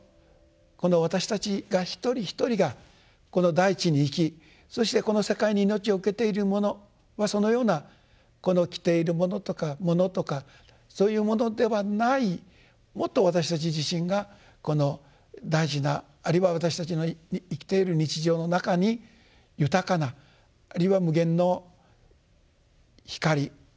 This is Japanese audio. この私たちが一人一人がこの大地に生きそしてこの世界に命を受けているものはそのようなこの着ているものとか物とかそういうものではないもっと私たち自身が大事なあるいは私たちの生きている日常の中に豊かなあるいは無限の光風そういうものの中に